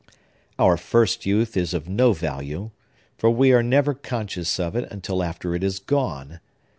"Our first youth is of no value; for we are never conscious of it until after it is gone.